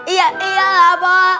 iya iyalah pok